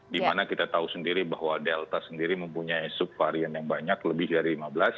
di mana kita tahu sendiri bahwa delta sendiri mempunyai sub varian yang banyak lebih dari lima belas